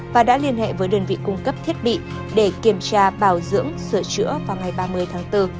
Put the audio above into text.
và đã liên hệ với đơn vị cung cấp thiết bị để kiểm tra bảo dưỡng sửa chữa vào ngày ba mươi tháng bốn